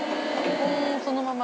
そのまま。